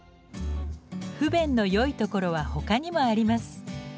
不便のよいところはほかにもあります。